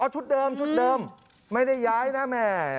ชุดเดิมชุดเดิมไม่ได้ย้ายนะแม่